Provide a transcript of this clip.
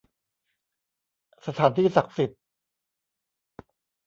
สถานที่ศักดิ์สิทธิ์